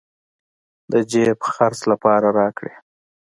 د جېب خرڅ لپاره راكړې.